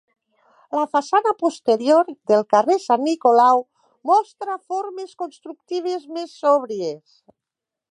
La façana posterior, del carrer Sant Nicolau, mostra formes constructives més sòbries.